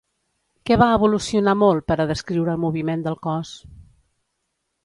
Què va evolucionar molt per a descriure el moviment del cos?